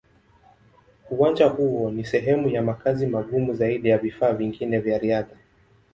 Uwanja huo ni sehemu ya makazi magumu zaidi ya vifaa vingine vya riadha.